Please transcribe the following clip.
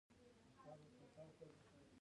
اندړ ولسوالۍ څومره پراخه ده؟